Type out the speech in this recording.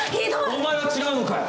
お前は違うのかよ？